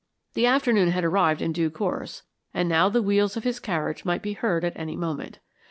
The afternoon had arrived in due course, and now the wheels of his carriage might be heard at any moment.